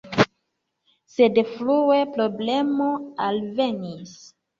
Sed frue problemo alvenis.